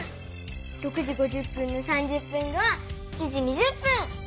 ６時５０分の３０分後は７時２０分！